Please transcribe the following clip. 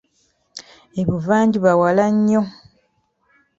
E'buvanjuba walannyo.